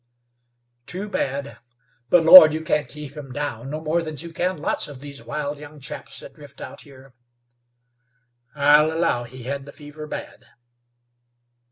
"Too bad. But Lord! you couldn't keep him down, no more than you can lots of these wild young chaps that drift out here." "I'll allow he had the fever bad."